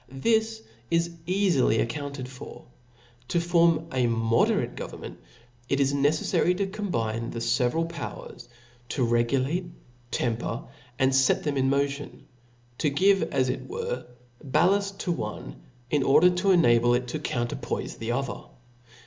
This is eafily ' accounted for. To form a moderate government, it is neceffary to combine the feveral powers ; to regulate^ temper, and iet them in motion ; to give, as it were^ ballaft to one, in order to enable ► it to coumerpoife the other.